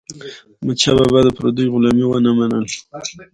احمدشاه بابا د پردیو غلامي ونه منله.